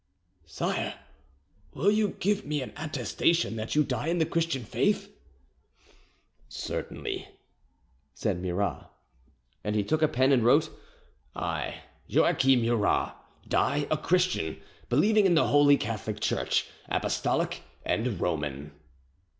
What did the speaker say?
"Sire, will you give me an attestation that you die in the Christian faith?" "Certainly," said Murat. And he took a pen and wrote: "I, Joachim Murat, die a Christian, believing in the Holy Catholic Church, Apostolic and Roman."